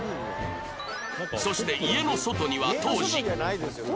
そして家の外には当時